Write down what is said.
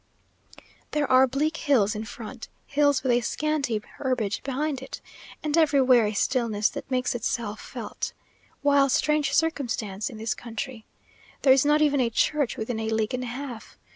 There are bleak hills in front hills with a scanty herbage behind it, and everywhere a stillness that makes itself felt: while, strange circumstance in this country! there is not even a church within a league and a half.